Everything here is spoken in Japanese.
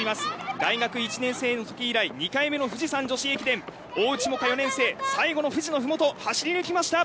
大学１年生のとき以来２回目の富士山女子駅伝大内もか４年生最後の富士のふもと走り抜きました。